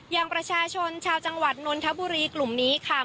อย่างประชาชนชาวจังหวัดนนทบุรีกลุ่มนี้ค่ะ